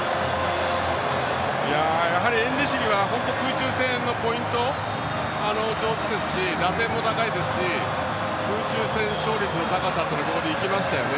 エンネシリは、空中戦のポイント上手ですし打点も高いですし空中戦勝率の高さまで行きましたね。